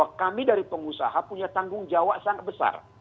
karena kami dari pengusaha punya tanggung jawab sangat besar